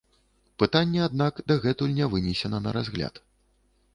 Пытанне, аднак, дагэтуль не вынесена на разгляд.